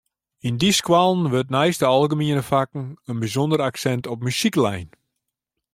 Yn dy skoallen wurdt neist de algemiene fakken in bysûnder aksint op muzyk lein.